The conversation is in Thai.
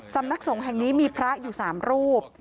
สำนักสงฆ์แห่งนี้มีพระอยู่๓รูป